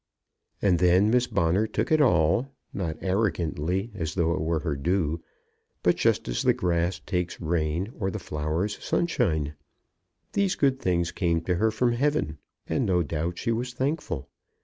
And then Miss Bonner took it all, not arrogantly, as though it were her due; but just as the grass takes rain or the flowers sunshine. These good things came to her from heaven, and no doubt she was thankful.